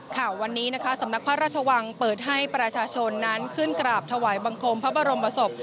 ค่ะวันนี้นะคะสำนักพระราชวังเปิดให้ประชาชนนั้นขึ้นกราบถวายบังคมพระบรมศพ